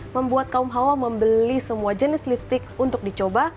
membuat kaum hawa membeli semua jenis lipstick untuk dicoba